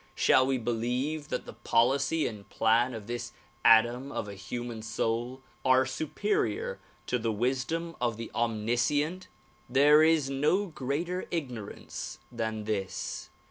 Shall we believe that the policy and plan of this atom of a human soul are superior to the wisdom of the omniscient? There is no greater ignorance than this.